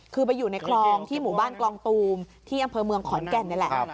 คือไปอยู่ในคลองที่หมู่บ้านกลองตูมที่อำเภอเมืองขอนแก่นนี่แหละ